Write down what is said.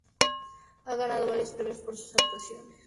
Ha ganado varios premios por sus actuaciones en teatro y televisión.